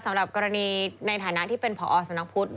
สำหรับกรณีในฐานะที่เป็นผอสำนักพุทธ